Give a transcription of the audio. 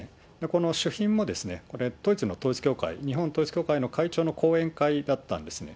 この主賓もこれ、当時の統一教会、日本統一教会の会長の講演会だったんですね。